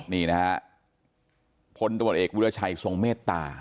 นี่นะฮะพลตรวจเอกวิราชัยทรงเมตตา